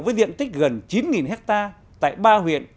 với diện tích gần chín ha tại ba huyện